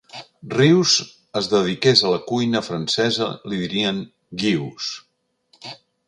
Rius es dediqués a la cuina francesa li dirien Guius.